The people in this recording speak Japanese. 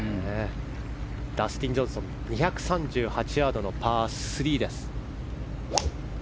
ダスティン・ジョンソン２３８ヤードのパー３。